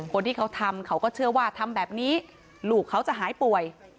คนที่เขาทำเขาก็เชื่อว่าทำแบบนี้ลูกเขาจะหายป่วย